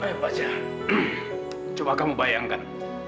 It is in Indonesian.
eh bajak coba kamu bayangkan